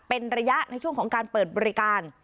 เป็นระยะในช่วงของการเปิดบริการ